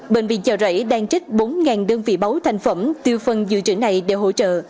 bệnh viện chợ rẫy đang trích bốn đơn vị máu thành phẩm từ phần dự trữ này để hỗ trợ